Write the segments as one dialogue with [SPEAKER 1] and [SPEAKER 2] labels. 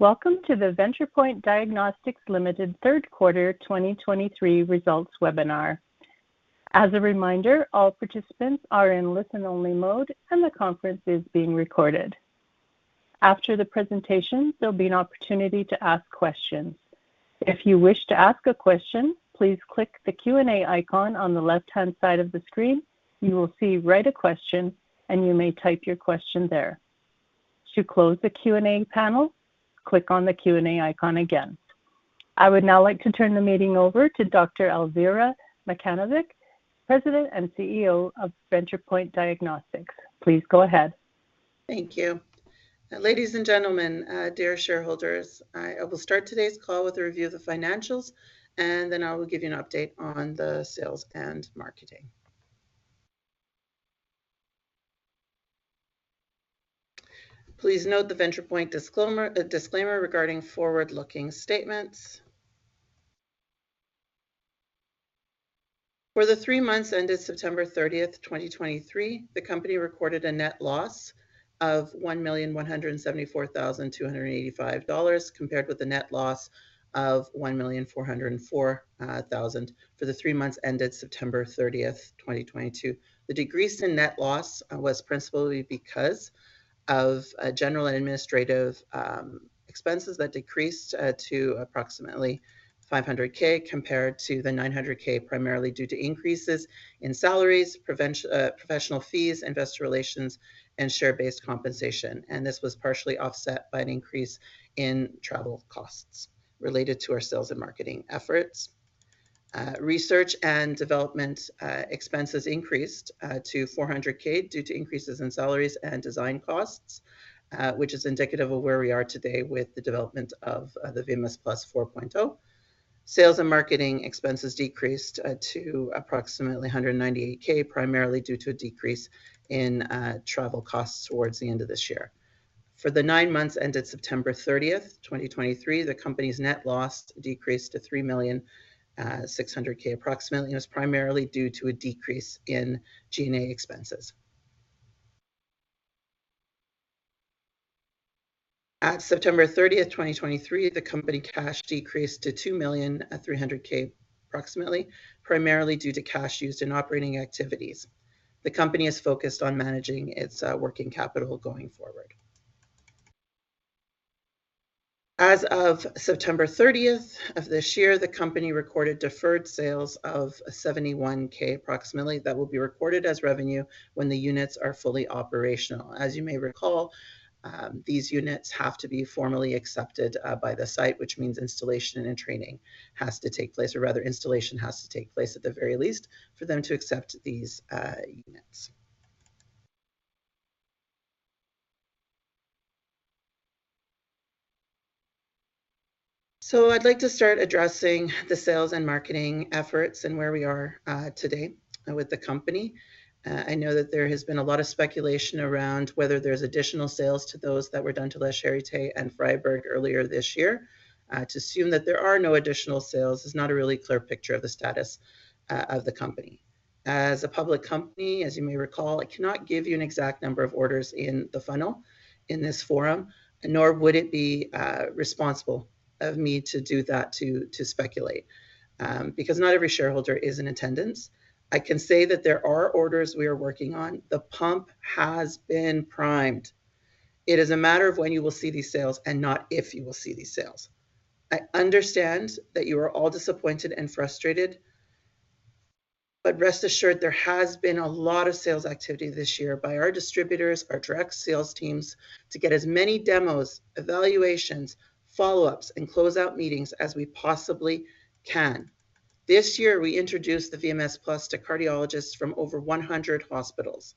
[SPEAKER 1] Welcome to the Ventripoint Diagnostics Ltd. third quarter 2023 results webinar. As a reminder, all participants are in listen-only mode, and the conference is being recorded. After the presentation, there'll be an opportunity to ask questions. If you wish to ask a question, please click the Q&A icon on the left-hand side of the screen. You will see Write a Question, and you may type your question there. To close the Q&A panel, click on the Q&A icon again. I would now like to turn the meeting over to Dr. Alvira Macanovic, President and CEO of Ventripoint Diagnostics. Please go ahead.
[SPEAKER 2] Thank you. Ladies and gentlemen, dear shareholders, I will start today's call with a review of the financials, and then I will give you an update on the sales and marketing. Please note the Ventripoint disclaimer regarding forward-looking statements. For the three months ended September 30, 2023, the company recorded a net loss of 1,174,285 dollars, compared with the net loss of 1,404,000 for the three months ended September 30th, 2022. The decrease in net loss was principally because of general and administrative expenses that decreased to approximately 500,000, compared to 900,000, primarily due to increases in salaries, professional fees, investor relations, and share-based compensation. This was partially offset by an increase in travel costs related to our sales and marketing efforts. Research and development expenses increased to 400,000 due to increases in salaries and design costs, which is indicative of where we are today with the development of the VMS+ 4.0. Sales and marketing expenses decreased to approximately 198,000, primarily due to a decrease in travel costs towards the end of this year. For the nine months ended September 3Oth, 2023, the company's net loss decreased to 3.6 million, approximately, and it's primarily due to a decrease in G&A expenses. At September 30th, 2023, the company's cash decreased to 2.3 million, approximately, primarily due to cash used in operating activities. The company is focused on managing its working capital going forward. As of September 30th of this year, the company recorded deferred sales of 71,000, approximately, that will be recorded as revenue when the units are fully operational. As you may recall, these units have to be formally accepted by the site, which means installation and training has to take place, or rather, installation has to take place at the very least for them to accept these units. So I'd like to start addressing the sales and marketing efforts and where we are today with the company. I know that there has been a lot of speculation around whether there's additional sales to those that were done to Charité and Freiburg earlier this year. To assume that there are no additional sales is not a really clear picture of the status of the company. As a public company, as you may recall, I cannot give you an exact number of orders in the funnel in this forum, nor would it be responsible of me to do that, to speculate, because not every shareholder is in attendance. I can say that there are orders we are working on. The pump has been primed. It is a matter of when you will see these sales and not if you will see these sales. I understand that you are all disappointed and frustrated, but rest assured, there has been a lot of sales activity this year by our distributors, our direct sales teams, to get as many demos, evaluations, follow-ups, and closeout meetings as we possibly can. This year, we introduced the VMS+ to cardiologists from over 100 hospitals.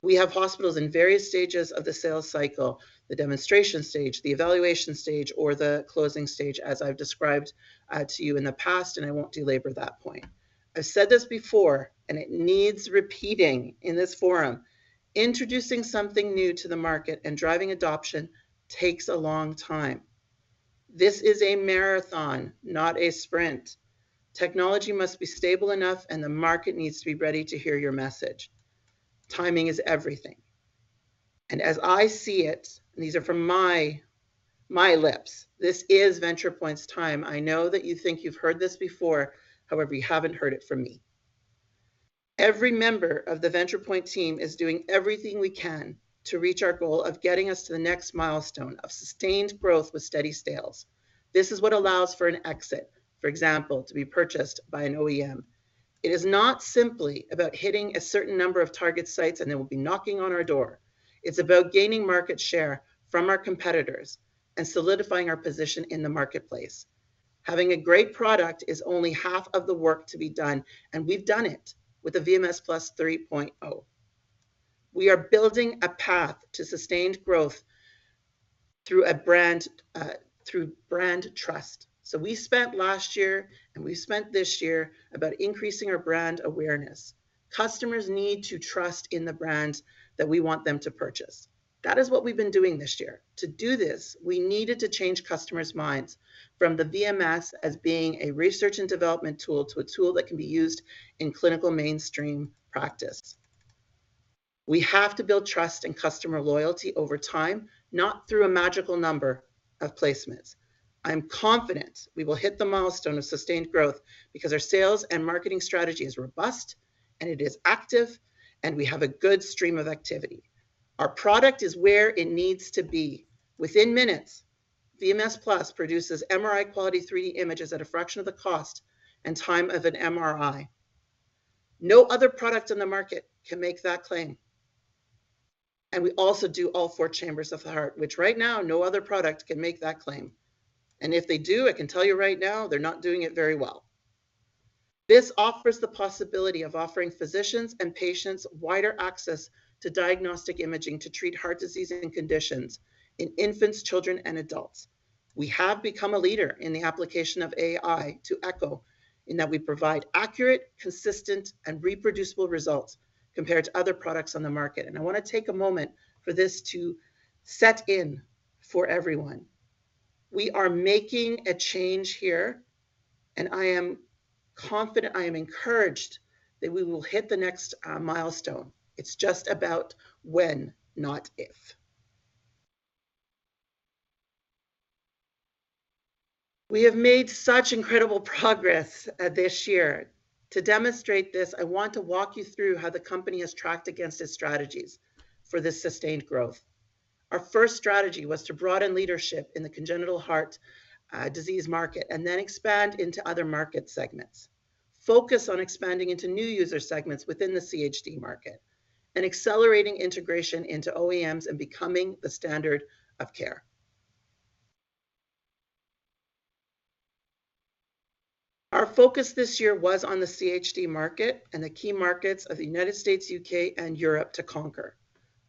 [SPEAKER 2] We have hospitals in various stages of the sales cycle, the demonstration stage, the evaluation stage, or the closing stage, as I've described to you in the past, and I won't belabor that point. I've said this before, and it needs repeating in this forum: introducing something new to the market and driving adoption takes a long time. This is a marathon, not a sprint. Technology must be stable enough, and the market needs to be ready to hear your message. Timing is everything, and as I see it, these are from my, my lips, this is Ventripoint's time. I know that you think you've heard this before. However, you haven't heard it from me. Every member of the Ventripoint team is doing everything we can to reach our goal of getting us to the next milestone of sustained growth with steady sales. This is what allows for an exit, for example, to be purchased by an OEM. It is not simply about hitting a certain number of target sites, and they will be knocking on our door. It's about gaining market share from our competitors and solidifying our position in the marketplace. Having a great product is only half of the work to be done, and we've done it with the VMS+ 3.0. We are building a path to sustained growth through a brand, through brand trust. So we spent last year, and we spent this year about increasing our brand awareness. Customers need to trust in the brand that we want them to purchase. That is what we've been doing this year. To do this, we needed to change customers' minds from the VMS+ as being a research and development tool to a tool that can be used in clinical mainstream practice. We have to build trust and customer loyalty over time, not through a magical number of placements. I'm confident we will hit the milestone of sustained growth because our sales and marketing strategy is robust, and it is active, and we have a good stream of activity. Our product is where it needs to be. Within minutes, VMS+ produces MRI-quality 3D images at a fraction of the cost and time of an MRI. No other product on the market can make that claim. And we also do all four chambers of the heart, which right now, no other product can make that claim. If they do, I can tell you right now, they're not doing it very well. This offers the possibility of offering physicians and patients wider access to diagnostic imaging to treat heart disease and conditions in infants, children, and adults. We have become a leader in the application of AI to echo, in that we provide accurate, consistent, and reproducible results compared to other products on the market. And I wanna take a moment for this to set in for everyone. We are making a change here, and I am confident, I am encouraged, that we will hit the next milestone. It's just about when, not if. We have made such incredible progress this year. To demonstrate this, I want to walk you through how the company has tracked against its strategies for this sustained growth. Our first strategy was to broaden leadership in the congenital heart disease market, and then expand into other market segments, focus on expanding into new user segments within the CHD market, and accelerating integration into OEMs and becoming the standard of care. Our focus this year was on the CHD market and the key markets of the United States, U.K., and Europe to conquer.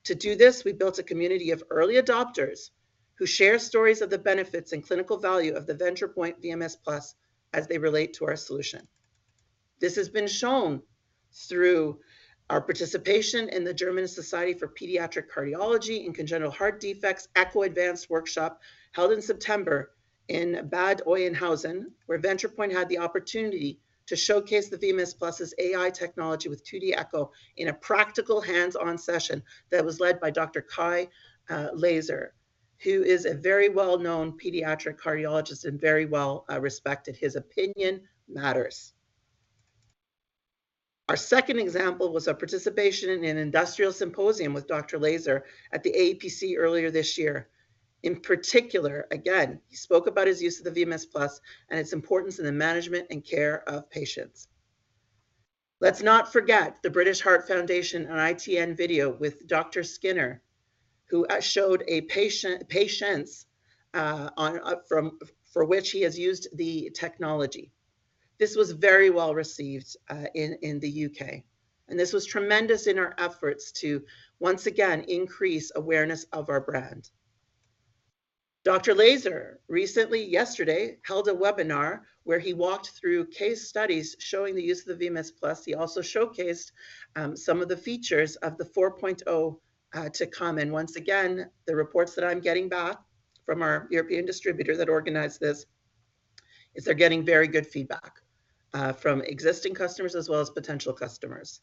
[SPEAKER 2] To do this, we built a community of early adopters who share stories of the benefits and clinical value of the Ventripoint VMS+ as they relate to our solution. This has been shown through our participation in the German Society for Pediatric Cardiology and Congenital Heart Defects Echo Advanced Workshop, held in September in Bad Oeynhausen, where Ventripoint had the opportunity to showcase the VMS+'s AI technology with 2D echo in a practical, hands-on session that was led by Dr. Kai Laser, who is a very well-known pediatric cardiologist and very well respected. His opinion matters. Our second example was our participation in an industrial symposium with Dr. Laser at the AEPC earlier this year. In particular, again, he spoke about his use of the VMS+ and its importance in the management and care of patients. Let's not forget the British Heart Foundation on ITN video with Dr. Skinner, who showed patients for which he has used the technology. This was very well-received in the U.K., and this was tremendous in our efforts to, once again, increase awareness of our brand. Dr. Laser recently, yesterday, held a webinar where he walked through case studies showing the use of the VMS+. He also showcased some of the features of the 4.0 to come. And once again, the reports that I'm getting back from our European distributor that organized this, is they're getting very good feedback, from existing customers as well as potential customers.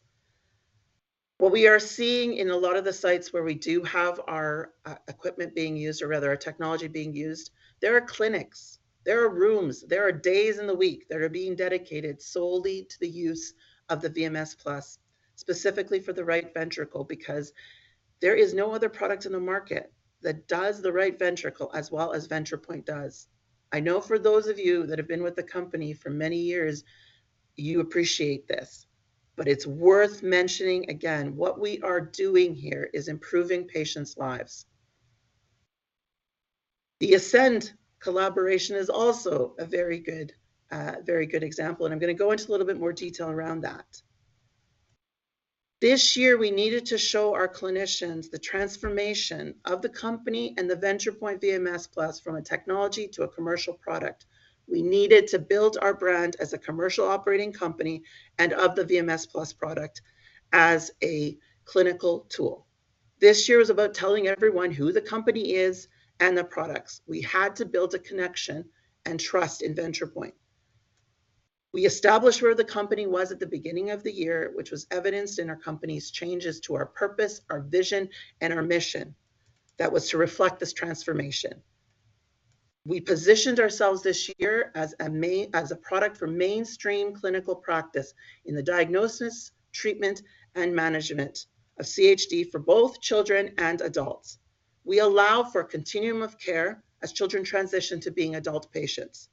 [SPEAKER 2] What we are seeing in a lot of the sites where we do have our, equipment being used, or rather our technology being used, there are clinics, there are rooms, there are days in the week that are being dedicated solely to the use of the VMS+, specifically for the right ventricle, because there is no other product on the market that does the right ventricle as well as Ventripoint does. I know for those of you that have been with the company for many years, you appreciate this, but it's worth mentioning again, what we are doing here is improving patients' lives. The ASCEND collaboration is also a very good, very good example, and I'm gonna go into a little bit more detail around that. This year, we needed to show our clinicians the transformation of the company and the Ventripoint VMS+ from a technology to a commercial product. We needed to build our brand as a commercial operating company and of the VMS+ product as a clinical tool. This year is about telling everyone who the company is and the products. We had to build a connection and trust in Ventripoint. We established where the company was at the beginning of the year, which was evidenced in our company's changes to our purpose, our vision, and our mission. That was to reflect this transformation. We positioned ourselves this year as a product for mainstream clinical practice in the diagnosis, treatment, and management of CHD for both children and adults. We allow for a continuum of care as children transition to being adult patients.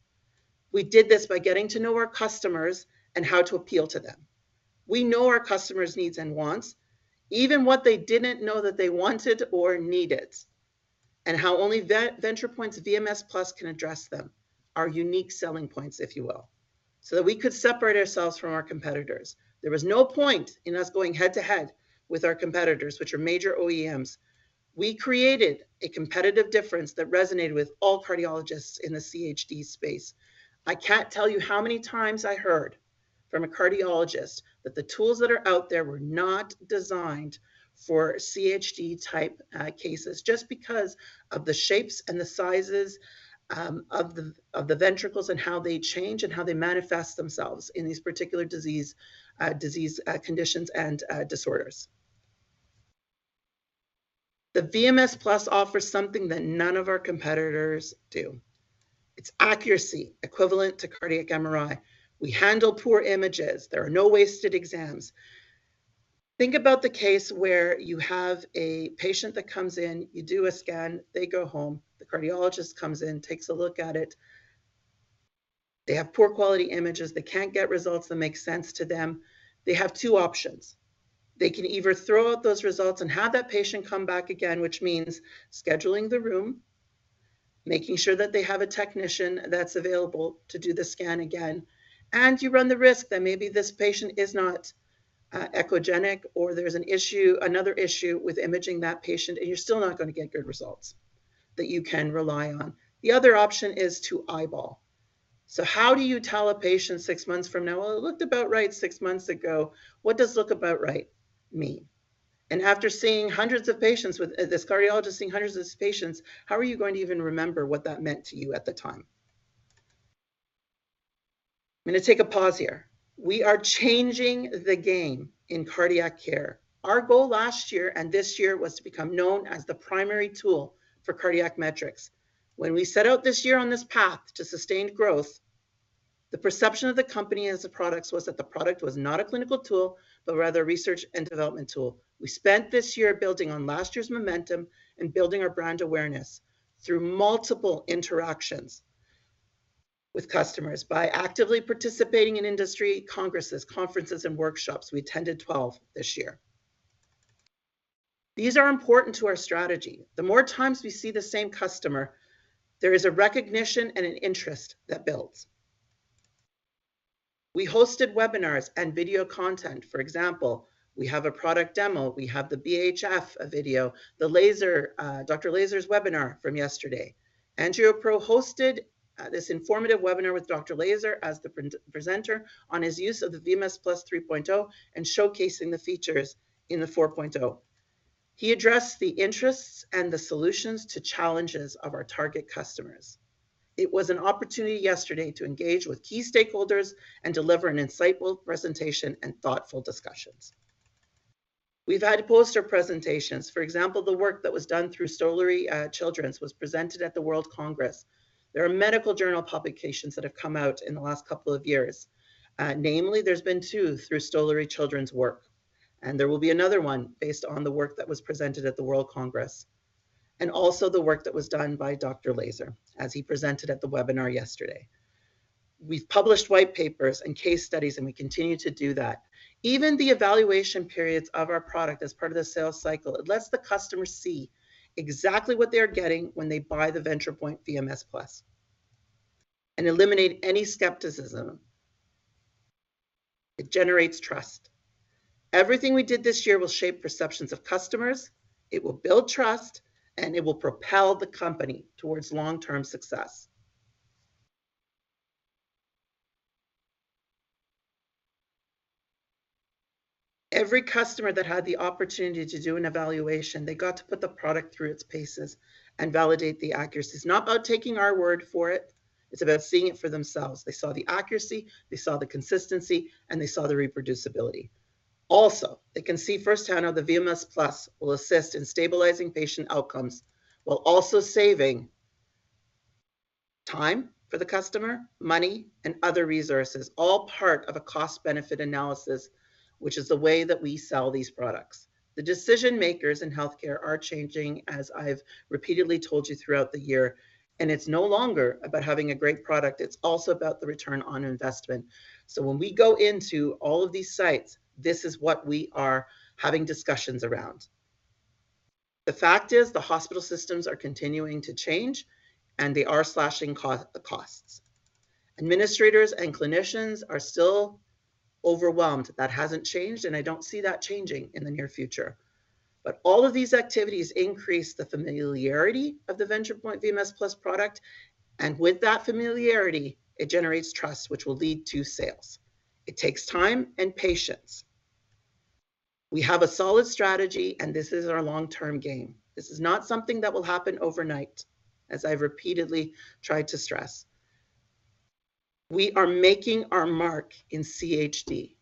[SPEAKER 2] We did this by getting to know our customers and how to appeal to them. We know our customers' needs and wants, even what they didn't know that they wanted or needed, and how only Ventripoint's VMS+ can address them, our unique selling points, if you will, so that we could separate ourselves from our competitors. There was no point in us going head-to-head with our competitors, which are major OEMs. We created a competitive difference that resonated with all cardiologists in the CHD space. I can't tell you how many times I heard from a cardiologist that the tools that are out there were not designed for CHD-type cases, just because of the shapes and the sizes of the ventricles and how they change and how they manifest themselves in these particular disease conditions and disorders. The VMS+ offers something that none of our competitors do. It's accuracy equivalent to cardiac MRI. We handle poor images. There are no wasted exams. Think about the case where you have a patient that comes in, you do a scan, they go home, the cardiologist comes in, takes a look at it. They have poor quality images. They can't get results that make sense to them. They have two options. They can either throw out those results and have that patient come back again, which means scheduling the room, making sure that they have a technician that's available to do the scan again, and you run the risk that maybe this patient is not echogenic, or there's another issue with imaging that patient, and you're still not gonna get good results that you can rely on. The other option is to eyeball. So how do you tell a patient six months from now, "Well, it looked about right six months ago"? What does look about right mean? And after seeing hundreds of patients with this cardiologist seeing hundreds of patients, how are you going to even remember what that meant to you at the time? I'm gonna take a pause here. We are changing the game in cardiac care. Our goal last year and this year was to become known as the primary tool for cardiac metrics. When we set out this year on this path to sustained growth, the perception of the company and its products was that the product was not a clinical tool, but rather a research and development tool. We spent this year building on last year's momentum and building our brand awareness through multiple interactions with customers by actively participating in industry congresses, conferences, and workshops. We attended 12 this year. These are important to our strategy. The more times we see the same customer, there is a recognition and an interest that builds. We hosted webinars and video content. For example, we have a product demo, we have the BHF, a video, the Laser, Dr. Laser's webinar from yesterday. AngioPro hosted this informative webinar with Dr. Laser as the pre-presenter on his use of the VMS+ 3.0 and showcasing the features in the 4.0. He addressed the interests and the solutions to challenges of our target customers. It was an opportunity yesterday to engage with key stakeholders and deliver an insightful presentation and thoughtful discussions. We've had poster presentations. For example, the work that was done through Stollery Children's was presented at the World Congress. There are medical journal publications that have come out in the last couple of years. Namely, there's been two through Stollery Children's work, and there will be another one based on the work that was presented at the World Congress, and also the work that was done by Dr. Laser, as he presented at the webinar yesterday. We've published white papers and case studies, and we continue to do that. Even the evaluation periods of our product as part of the sales cycle, it lets the customer see exactly what they're getting when they buy the Ventripoint VMS+ and eliminate any skepticism. It generates trust. Everything we did this year will shape perceptions of customers, it will build trust, and it will propel the company towards long-term success. Every customer that had the opportunity to do an evaluation, they got to put the product through its paces and validate the accuracy. It's not about taking our word for it, it's about seeing it for themselves. They saw the accuracy, they saw the consistency, and they saw the reproducibility. Also, they can see firsthand how the VMS+ will assist in stabilizing patient outcomes while also saving time for the customer, money, and other resources, all part of a cost-benefit analysis, which is the way that we sell these products. The decision-makers in healthcare are changing, as I've repeatedly told you throughout the year, and it's no longer about having a great product. It's also about the return on investment. So when we go into all of these sites, this is what we are having discussions around. The fact is, the hospital systems are continuing to change, and they are slashing costs. Administrators and clinicians are still overwhelmed. That hasn't changed, and I don't see that changing in the near future. But all of these activities increase the familiarity of the Ventripoint VMS+ product, and with that familiarity, it generates trust, which will lead to sales. It takes time and patience. We have a solid strategy, and this is our long-term game. This is not something that will happen overnight, as I've repeatedly tried to stress. We are making our mark in CHD.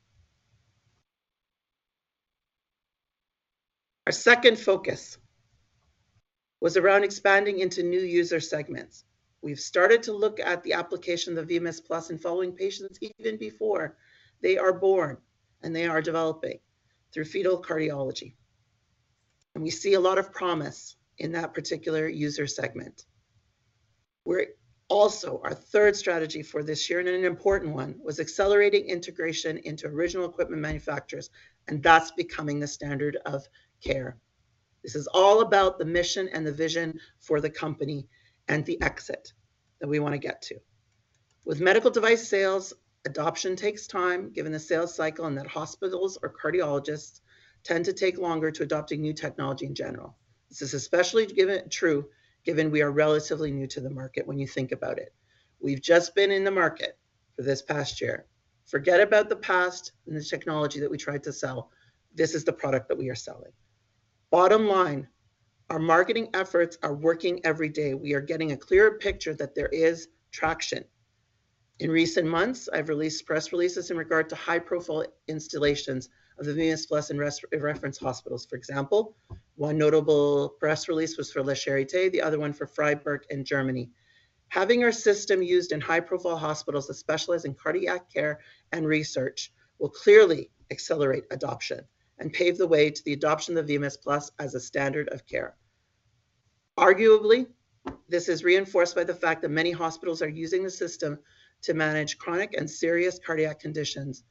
[SPEAKER 2] Our second focus was around expanding into new user segments. We've started to look at the application of the VMS+ and following patients even before they are born and they are developing through fetal cardiology. And we see a lot of promise in that particular user segment. We're also, our third strategy for this year, and an important one, was accelerating integration into original equipment manufacturers, and that's becoming the standard of care. This is all about the mission and the vision for the company and the exit that we wanna get to. With medical device sales, adoption takes time, given the sales cycle and that hospitals or cardiologists tend to take longer to adopt a new technology in general. This is especially true, given we are relatively new to the market when you think about it. We've just been in the market for this past year. Forget about the past and the technology that we tried to sell. This is the product that we are selling. Bottom line, our marketing efforts are working every day. We are getting a clearer picture that there is traction. In recent months, I've released press releases in regard to high-profile installations of the VMS+ in reference hospitals. For example, one notable press release was for Charité, the other one for Freiburg in Germany. Having our system used in high-profile hospitals that specialize in cardiac care and research will clearly accelerate adoption and pave the way to the adoption of VMS+ as a standard of care. Arguably, this is reinforced by the fact that many hospitals are using the system to manage chronic and serious cardiac conditions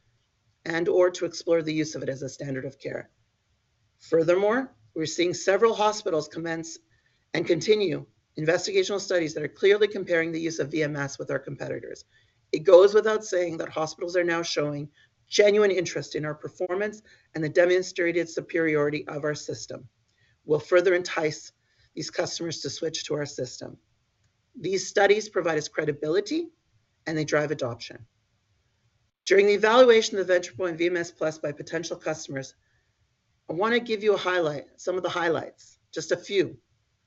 [SPEAKER 2] and/or to explore the use of it as a standard of care. Furthermore, we're seeing several hospitals commence and continue investigational studies that are clearly comparing the use of VMS+ with our competitors. It goes without saying that hospitals are now showing genuine interest in our performance, and the demonstrated superiority of our system will further entice these customers to switch to our system. These studies provide us credibility, and they drive adoption. During the evaluation of the Ventripoint VMS+ by potential customers, I wanna give you a highlight, some of the highlights, just a few,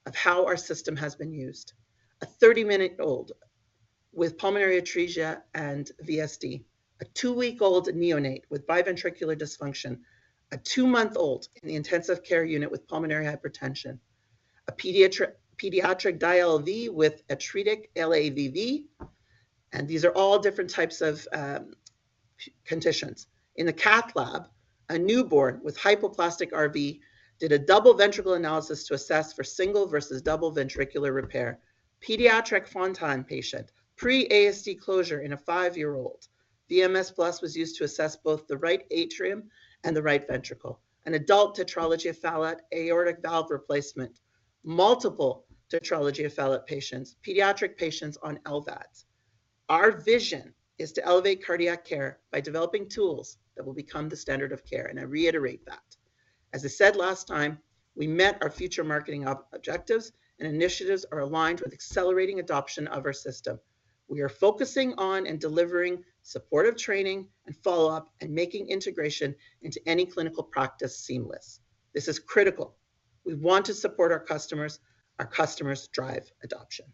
[SPEAKER 2] of how our system has been used. A 30-minute-old with pulmonary atresia and VSD, a 2-week-old neonate with biventricular dysfunction, a 2-month-old in the intensive care unit with pulmonary hypertension, a pediatric DLV with atretic LAVV, and these are all different types of conditions. In the cath lab, a newborn with hypoplastic RV did a double ventricle analysis to assess for single versus double ventricular repair. Pediatric Fontan patient, pre-ASD closure in a 5-year-old. VMS+ was used to assess both the right atrium and the right ventricle. An adult Tetralogy of Fallot, aortic valve replacement, multiple Tetralogy of Fallot patients, pediatric patients on LVADs. Our vision is to elevate cardiac care by developing tools that will become the standard of care, and I reiterate that. As I said last time, we met our future marketing objectives, and initiatives are aligned with accelerating adoption of our system. We are focusing on and delivering supportive training and follow-up and making integration into any clinical practice seamless. This is critical. We want to support our customers. Our customers drive adoption.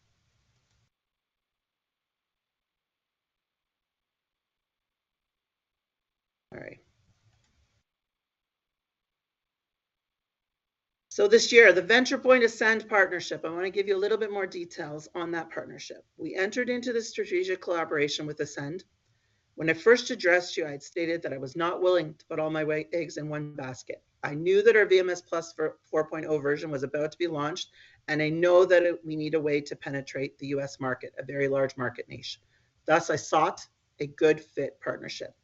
[SPEAKER 2] All right. So this year, the Ventripoint-ASCEND partnership, I want to give you a little bit more details on that partnership. We entered into this strategic collaboration with ASCEND. When I first addressed you, I had stated that I was not willing to put all my white eggs in one basket. I knew that our VMS+ 4.0 version was about to be launched, and I know that we need a way to penetrate the U.S. market, a very large market nation. Thus, I sought a good fit partnership.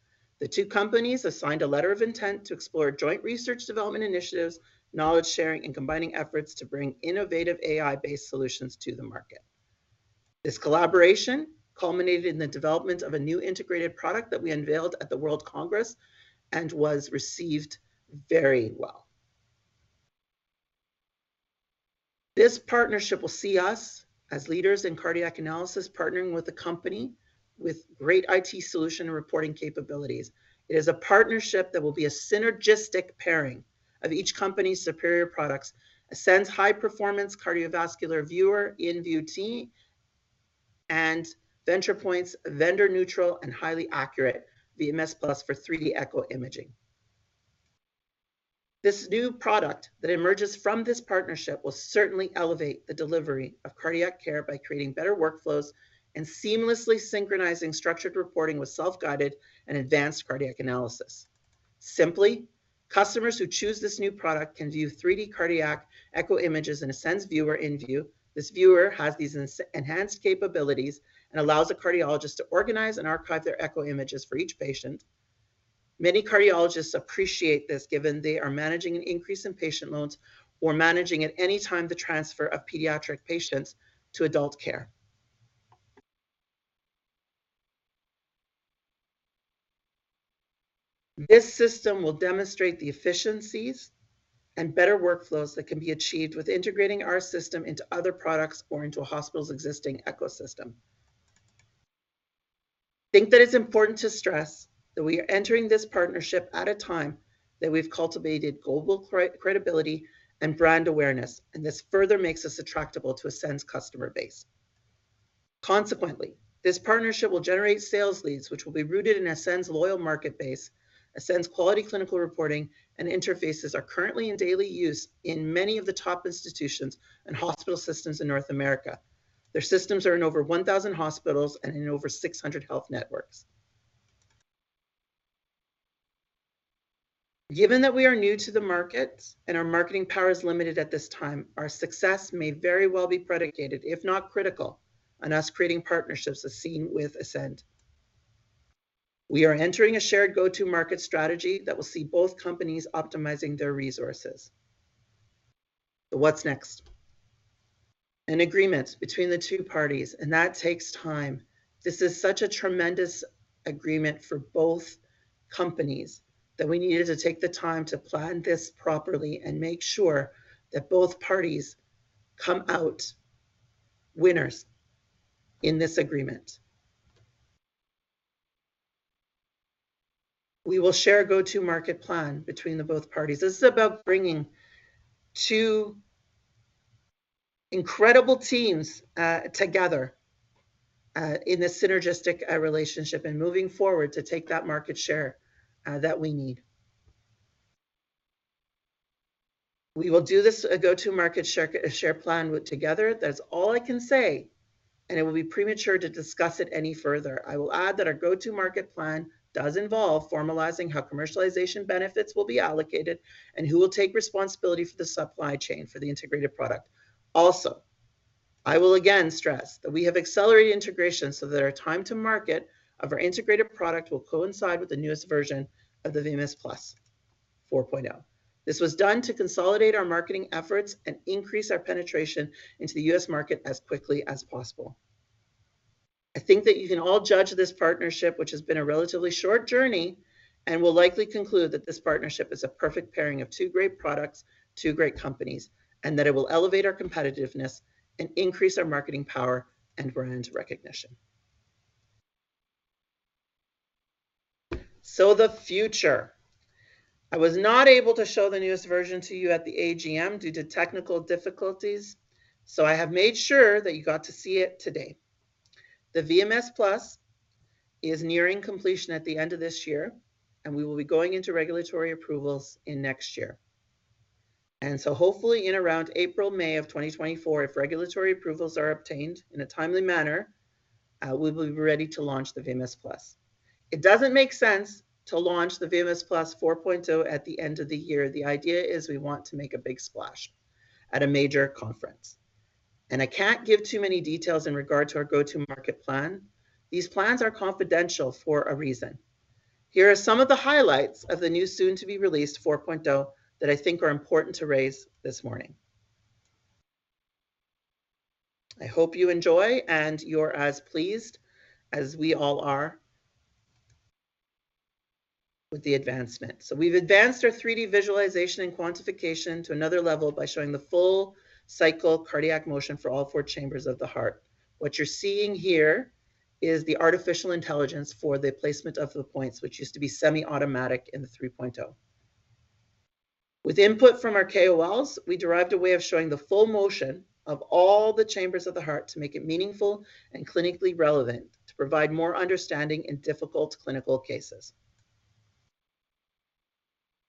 [SPEAKER 2] The two companies signed a letter of intent to explore joint research development initiatives, knowledge sharing, and combining efforts to bring innovative AI-based solutions to the market. This collaboration culminated in the development of a new integrated product that we unveiled at the World Congress and was received very well. This partnership will see us as leaders in cardiac analysis, partnering with a company with great IT solution and reporting capabilities. It is a partnership that will be a synergistic pairing of each company's superior products, ASCEND's high-performance cardiovascular viewer InView and Ventripoint's vendor-neutral and highly accurate VMS+ for 3D echo imaging. This new product that emerges from this partnership will certainly elevate the delivery of cardiac care by creating better workflows and seamlessly synchronizing structured reporting with self-guided and advanced cardiac analysis. Simply, customers who choose this new product can view 3D cardiac echo images in ASCEND's viewer, InView. This viewer has these enhanced capabilities and allows the cardiologist to organize and archive their echo images for each patient. Many cardiologists appreciate this, given they are managing an increase in patient loads or managing at any time the transfer of pediatric patients to adult care. This system will demonstrate the efficiencies and better workflows that can be achieved with integrating our system into other products or into a hospital's existing ecosystem. I think that it's important to stress that we are entering this partnership at a time that we've cultivated global credibility and brand awareness, and this further makes us attractable to ASCEND's customer base. Consequently, this partnership will generate sales leads, which will be rooted in ASCEND's loyal market base. ASCEND's quality clinical reporting and interfaces are currently in daily use in many of the top institutions and hospital systems in North America. Their systems are in over 1,000 hospitals and in over 600 health networks. Given that we are new to the markets and our marketing power is limited at this time, our success may very well be predicated, if not critical, on us creating partnerships as seen with ASCEND. We are entering a shared go-to-market strategy that will see both companies optimizing their resources. What's next? An agreement between the two parties, and that takes time. This is such a tremendous agreement for both companies that we needed to take the time to plan this properly and make sure that both parties come out winners in this agreement. We will share a go-to-market plan between the both parties. This is about bringing two incredible teams together in a synergistic relationship and moving forward to take that market share that we need. We will do this, a go-to-market share, share plan with together. That's all I can say, and it would be premature to discuss it any further. I will add that our go-to-market plan does involve formalizing how commercialization benefits will be allocated and who will take responsibility for the supply chain for the integrated product. Also, I will again stress that we have accelerated integration so that our time to market of our integrated product will coincide with the newest version of the VMS+ 4.0. This was done to consolidate our marketing efforts and increase our penetration into the U.S. market as quickly as possible. I think that you can all judge this partnership, which has been a relatively short journey, and will likely conclude that this partnership is a perfect pairing of two great products, two great companies, and that it will elevate our competitiveness and increase our marketing power and brand recognition. So the future, I was not able to show the newest version to you at the AGM due to technical difficulties, so I have made sure that you got to see it today. The VMS+ is nearing completion at the end of this year, and we will be going into regulatory approvals in next year. And so hopefully in around April, May of 2024, if regulatory approvals are obtained in a timely manner, we will be ready to launch the VMS+. It doesn't make sense to launch the VMS+ 4.0 at the end of the year. The idea is we want to make a big splash at a major conference, and I can't give too many details in regard to our go-to-market plan. These plans are confidential for a reason. Here are some of the highlights of the new soon-to-be-released 4.0 that I think are important to raise this morning. I hope you enjoy, and you're as pleased as we all are with the advancement. We've advanced our 3D visualization and quantification to another level by showing the full cycle cardiac motion for all four chambers of the heart. What you're seeing here is the artificial intelligence for the placement of the points, which used to be semi-automatic in the 3.0. With input from our KOLs, we derived a way of showing the full motion of all the chambers of the heart to make it meaningful and clinically relevant, to provide more understanding in difficult clinical cases.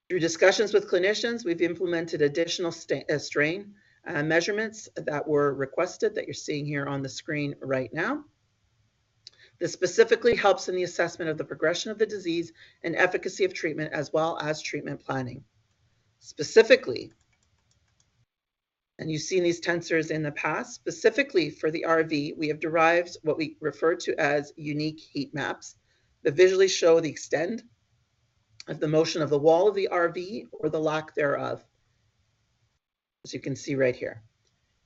[SPEAKER 2] Through discussions with clinicians, we've implemented additional strain measurements that were requested that you're seeing here on the screen right now. This specifically helps in the assessment of the progression of the disease and efficacy of treatment as well as treatment planning. Specifically, and you've seen these tensors in the past, specifically for the RV, we have derived what we refer to as unique heat maps that visually show the extent of the motion of the wall of the RV or the lack thereof, as you can see right here.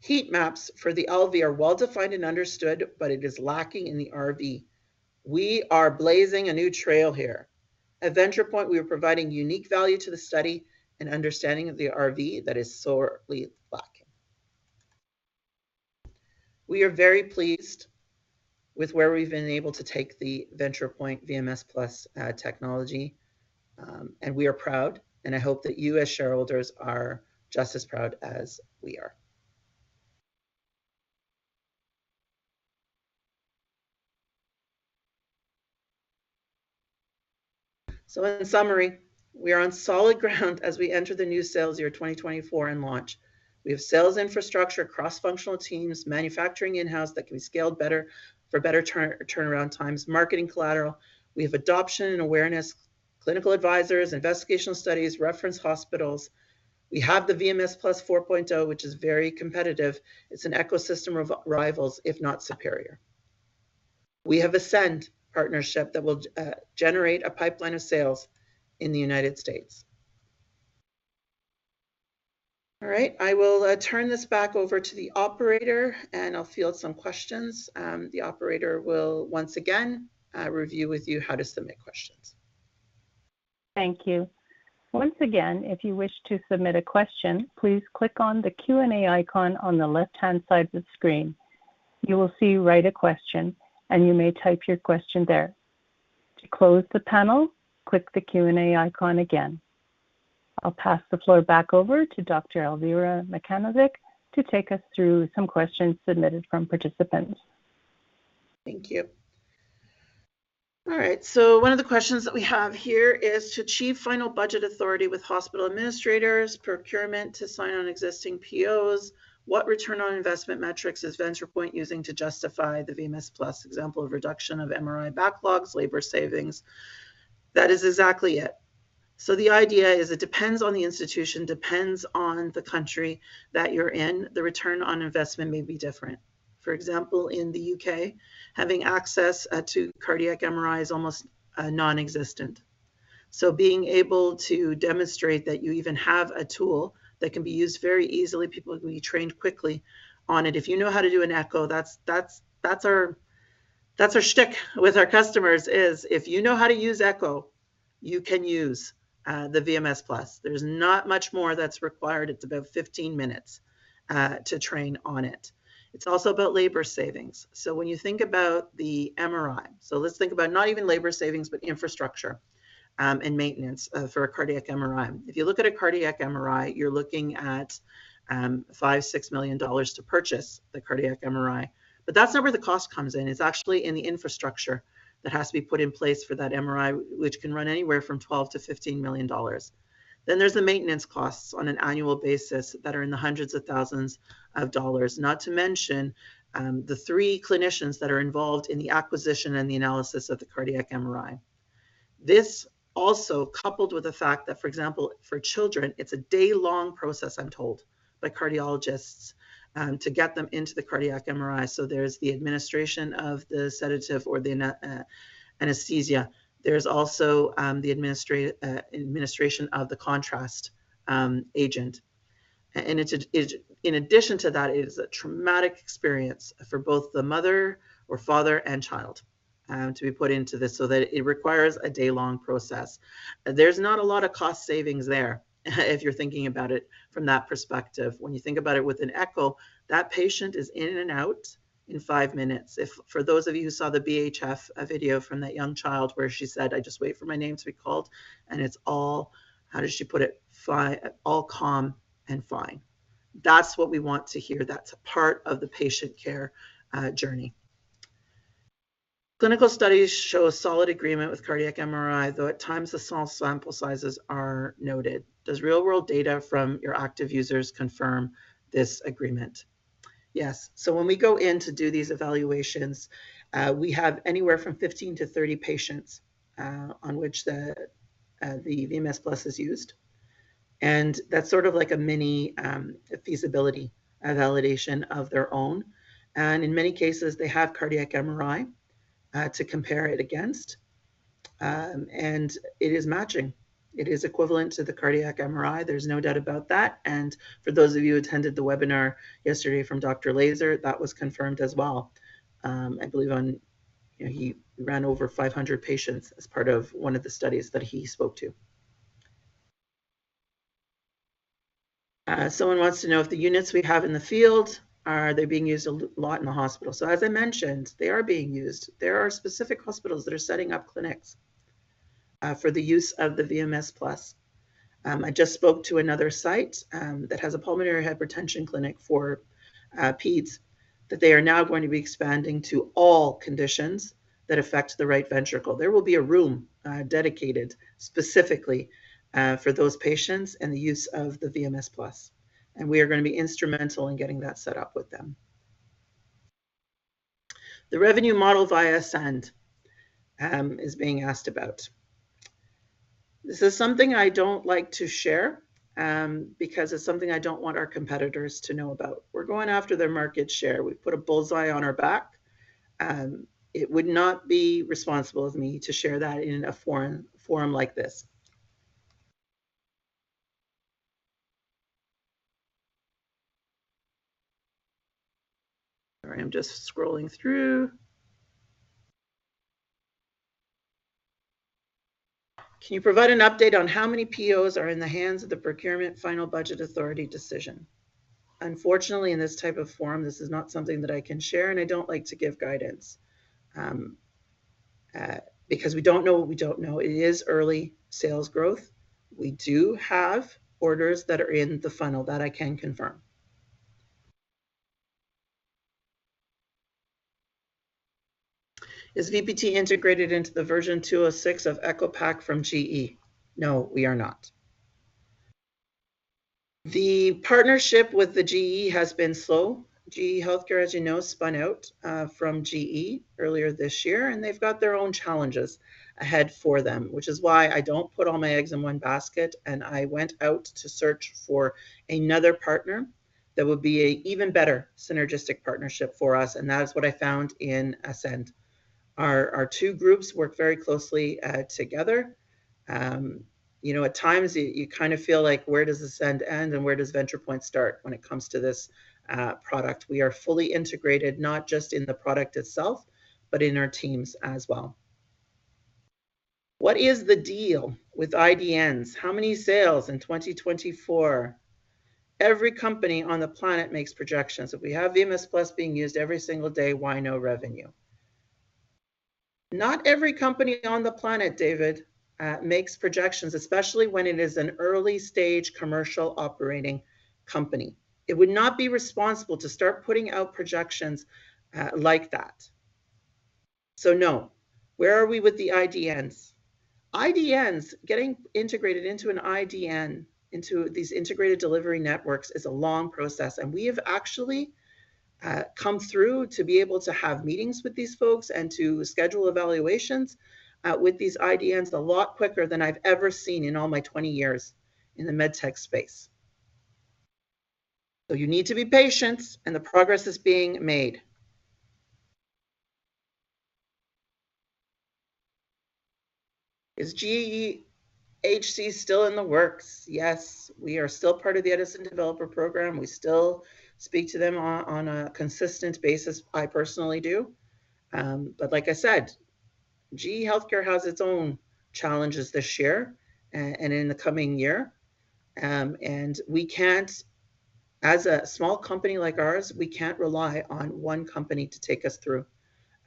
[SPEAKER 2] Heat maps for the LV are well-defined and understood, but it is lacking in the RV. We are blazing a new trail here. At Ventripoint, we are providing unique value to the study and understanding of the RV that is sorely lacking. We are very pleased with where we've been able to take the Ventripoint VMS+ technology, and we are proud, and I hope that you, as shareholders, are just as proud as we are. So in summary, we are on solid ground as we enter the new sales year, 2024, and launch. We have sales infrastructure, cross-functional teams, manufacturing in-house that can be scaled better for better turn- turnaround times, marketing collateral. We have adoption and awareness, clinical advisors, investigational studies, reference hospitals. We have the VMS+ 4.0, which is very competitive. It's an ecosystem of rivals, if not superior. We have ASCEND partnership that will generate a pipeline of sales in the United States. All right, I will, turn this back over to the operator, and I'll field some questions. The operator will once again, review with you how to submit questions.
[SPEAKER 1] Thank you. Once again, if you wish to submit a question, please click on the Q&A icon on the left-hand side of the screen. You will see Write a Question, and you may type your question there. To close the panel, click the Q&A icon again. I'll pass the floor back over to Dr. Alvira Macanovic to take us through some questions submitted from participants.
[SPEAKER 2] Thank you. All right, so one of the questions that we have here is: "To achieve final budget authority with hospital administrators, procurement to sign on existing POs, what return on investment metrics is Ventripoint using to justify the VMS+ example of reduction of MRI backlogs, labor savings?" That is exactly it. So the idea is it depends on the institution, depends on the country that you're in. The return on investment may be different. For example, in the U.K., having access to Cardiac MRI is almost nonexistent. So being able to demonstrate that you even have a tool that can be used very easily, people can be trained quickly on it. If you know how to do an echo, that's our shtick with our customers is, if you know how to use echo, you can use the VMS+. There's not much more that's required. It's about 15 minutes to train on it. It's also about labor savings. So, when you think about the MRI, so let's think about not even labor savings, but infrastructure and maintenance for a cardiac MRI. If you look at a cardiac MRI, you're looking at $5 million-$6 million to purchase the cardiac MRI, but that's not where the cost comes in. It's actually in the infrastructure that has to be put in place for that MRI, which can run anywhere from $12 million-$15 million. Then there's the maintenance costs on an annual basis that are in the hundreds of thousands of dollars, not to mention the three clinicians that are involved in the acquisition and the analysis of the cardiac MRI. This also, coupled with the fact that, for example, for children, it's a day-long process, I'm told by cardiologists, to get them into the cardiac MRI. So there's the administration of the sedative or the anesthesia. There's also the administration of the contrast agent. And In addition to that, it is a traumatic experience for both the mother or father and child, to be put into this, so that it requires a day-long process. There's not a lot of cost savings there, if you're thinking about it from that perspective. When you think about it with an echo, that patient is in and out in five minutes. For those of you who saw the BHF, a video from that young child where she said, "I just wait for my name to be called," and it's all... How did she put it? "All calm and fine." That's what we want to hear. That's a part of the patient care journey. Clinical studies show a solid agreement with cardiac MRI, though at times the small sample sizes are noted. Does real-world data from your active users confirm this agreement? Yes. So when we go in to do these evaluations, we have anywhere from 15-30 patients on which the VMS+ is used, and that's sort of like a mini feasibility validation of their own. And in many cases, they have cardiac MRI to compare it against, and it is matching. It is equivalent to the cardiac MRI. There's no doubt about that. And for those of you who attended the webinar yesterday from Dr. Laser, that was confirmed as well. I believe on... He ran over 500 patients as part of one of the studies that he spoke to. Someone wants to know if the units we have in the field are being used a lot in the hospital? So as I mentioned, they are being used. There are specific hospitals that are setting up clinics for the use of the VMS+. I just spoke to another site that has a pulmonary hypertension clinic for peds that they are now going to be expanding to all conditions that affect the right ventricle. There will be a room dedicated specifically for those patients and the use of the VMS+, and we are gonna be instrumental in getting that set up with them. The revenue model via ASCEND is being asked about. This is something I don't like to share, because it's something I don't want our competitors to know about. We're going after their market share. We've put a bullseye on our back, and it would not be responsible of me to share that in a forum like this. Sorry, I'm just scrolling through. Can you provide an update on how many POs are in the hands of the procurement final budget authority decision? Unfortunately, in this type of forum, this is not something that I can share, and I don't like to give guidance, because we don't know what we don't know. It is early sales growth. We do have orders that are in the funnel that I can confirm. Is VPT integrated into the version 2.06 of EchoPAC from GE? No, we are not. The partnership with the GE has been slow. GE Healthcare, as you know, spun out from GE earlier this year, and they've got their own challenges ahead for them, which is why I don't put all my eggs in one basket, and I went out to search for another partner that would be a even better synergistic partnership for us, and that is what I found in ASCEND. Our two groups work very closely together. You know, at times, you kind of feel like, where does ASCEND end, and where does Ventripoint start when it comes to this product? We are fully integrated, not just in the product itself, but in our teams as well. What is the deal with IDNs? How many sales in 2024? Every company on the planet makes projections. If we have VMS+ being used every single day, why no revenue? Not every company on the planet, David, makes projections, especially when it is an early-stage commercial operating company. It would not be responsible to start putting out projections, like that. So no. Where are we with the IDNs? IDNs, getting integrated into an IDN, into these integrated delivery networks, is a long process, and we have actually come through to be able to have meetings with these folks and to schedule evaluations with these IDNs a lot quicker than I've ever seen in all my 20 years in the med tech space. So you need to be patient, and the progress is being made. Is GEHC still in the works? Yes, we are still part of the Edison Developer Program. We still speak to them on a consistent basis. I personally do. But like I said, GE Healthcare has its own challenges this year and in the coming year. And we can't, as a small company like ours, rely on one company to take us through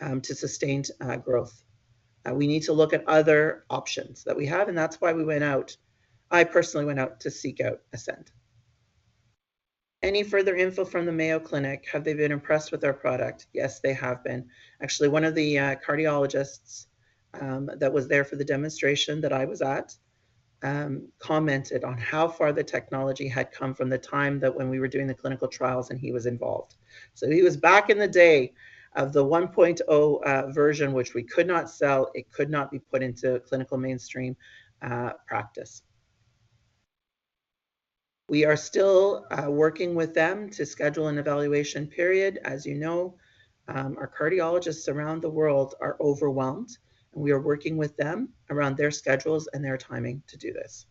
[SPEAKER 2] to sustained growth. We need to look at other options that we have, and that's why we went out, I personally went out to seek out ASCEND. Any further info from the Mayo Clinic? Have they been impressed with our product? Yes, they have been. Actually, one of the cardiologists that was there for the demonstration that I was at commented on how far the technology had come from the time when we were doing the clinical trials and he was involved. So he was back in the day of the 1.0 version, which we could not sell. It could not be put into clinical mainstream practice. We are still working with them to schedule an evaluation period. As you know, our cardiologists around the world are overwhelmed, and we are working with them around their schedules and their timing to do this.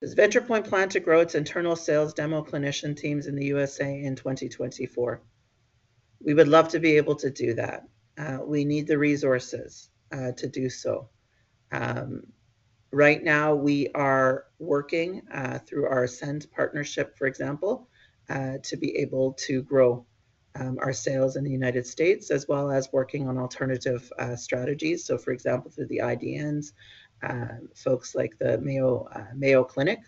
[SPEAKER 2] Does Ventripoint plan to grow its internal sales demo clinician teams in the USA in 2024? We would love to be able to do that. We need the resources to do so. Right now, we are working through our ASCEND partnership, for example, to be able to grow our sales in the United States, as well as working on alternative strategies. So for example, through the IDNs, folks like the Mayo Clinic,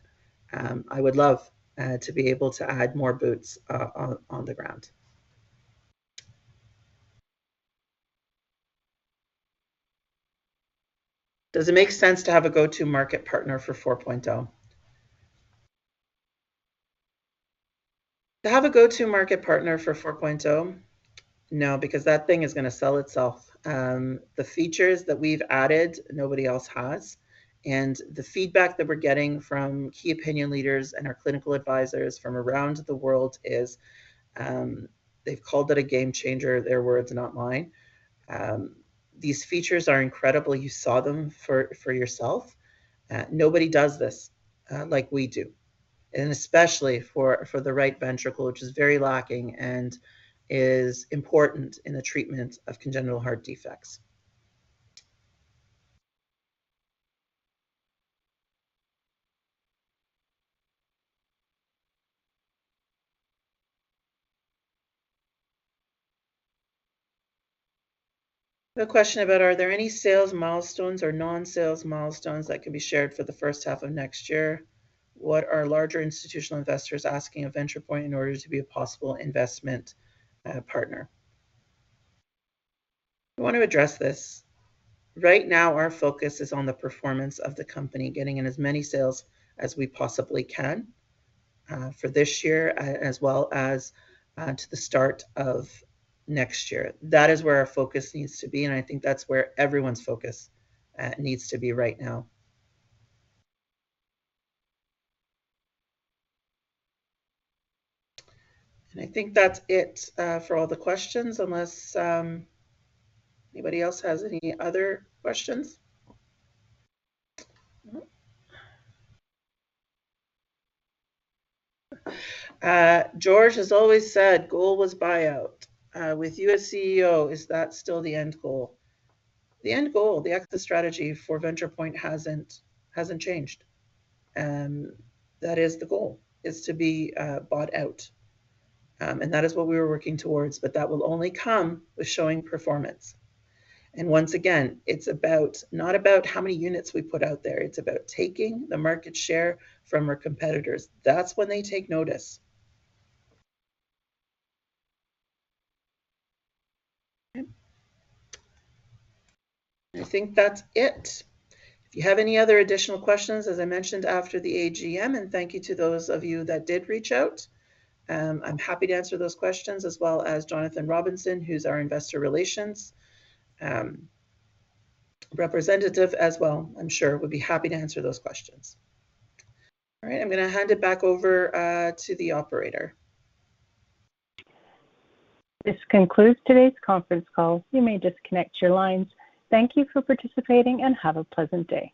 [SPEAKER 2] I would love to be able to add more boots on the ground. Does it make sense to have a go-to-market partner for 4.0? To have a go-to-market partner for 4.0? No, because that thing is gonna sell itself. The features that we've added, nobody else has, and the feedback that we're getting from key opinion leaders and our clinical advisors from around the world is, they've called it a game changer. Their words, not mine. These features are incredible. You saw them for yourself. Nobody does this like we do, and especially for the right ventricle, which is very lacking and is important in the treatment of congenital heart defects. A question about are there any sales milestones or non-sales milestones that can be shared for the first half of next year? What are larger institutional investors asking of Ventripoint in order to be a possible investment partner? I want to address this. Right now, our focus is on the performance of the company, getting in as many sales as we possibly can, for this year, as well as, to the start of next year. That is where our focus needs to be, and I think that's where everyone's focus, needs to be right now. And I think that's it, for all the questions, unless, anybody else has any other questions? Nope. George has always said goal was buyout. With you as CEO, is that still the end goal? The end goal, the exit strategy for Ventripoint hasn't, hasn't changed, and that is the goal, is to be, bought out. And that is what we are working towards, but that will only come with showing performance. Once again, it's not about how many units we put out there, it's about taking the market share from our competitors. That's when they take notice. Okay. I think that's it. If you have any other additional questions, as I mentioned after the AGM, and thank you to those of you that did reach out, I'm happy to answer those questions, as well as Jonathan Robinson, who's our investor relations representative as well, I'm sure would be happy to answer those questions. All right, I'm gonna hand it back over to the operator.
[SPEAKER 1] This concludes today's conference call. You may disconnect your lines. Thank you for participating, and have a pleasant day.